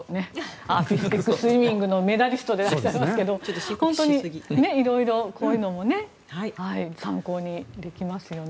アーティスティックスイミングのメダリストでいらっしゃいますが本当に、いろいろこういうのも参考にできますよね。